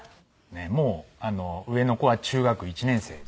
もう上の子は中学１年生で。